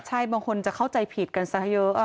ใช่บางคนจะเข้าใจผิดกันซะเยอะ